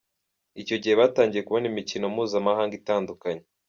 Icyo gihe batangiye kubona imikino mpuzamahanga itandukanye.